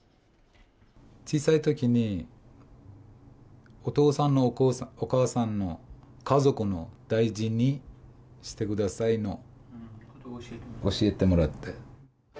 小さいときにお父さんの、お母さんの、家族の、大事にしてくださいと教えてもらって。